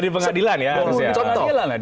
di pengadilan ya harusnya